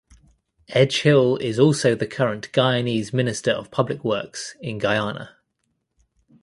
Edghill is also the current Guyanese Minister of Public Works in Guyana.